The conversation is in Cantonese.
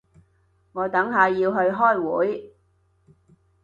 我等下要去開會